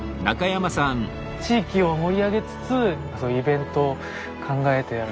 地域を盛り上げつつイベントを考えてやる。